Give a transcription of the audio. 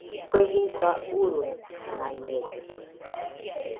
Kue jisa urunaiñede